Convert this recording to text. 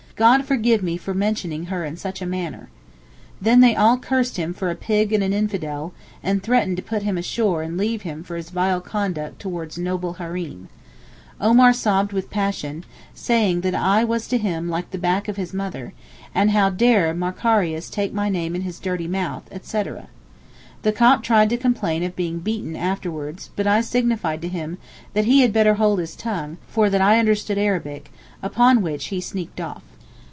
God forgive me for mentioning her in such a manner.' Then they all cursed him for a pig and an infidel, and threatened to put him ashore and leave him for his vile conduct towards noble Hareem. Omar sobbed with passion, saying that I was to him like the 'back of his mother,' and how 'dare Macarius take my name in his dirty mouth,' etc. The Copt tried to complain of being beaten afterwards, but I signified to him that he had better hold his tongue, for that I understood Arabic, upon which he sneaked off.